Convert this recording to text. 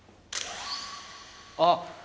あっ！